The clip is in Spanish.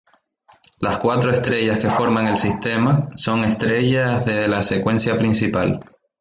Las cuatro estrellas que forman el sistema son estrellas de la secuencia principal.